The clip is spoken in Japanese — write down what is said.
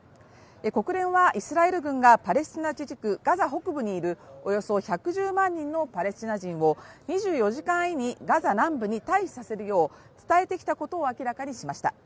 国連はイスラエル軍がパレスチナ自治区ガザ北部にいるおよそ１１０万人のパレスチナ人を２４時間以内にガザ南部に退避させるよう伝えてきたことを明らかにしました。